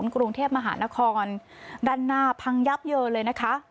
กรุงเทพมหานครด้านหน้าพังยับเยินเลยนะคะ